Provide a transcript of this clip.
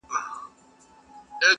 • ليکوال ژور نقد وړلاندي کوي ډېر,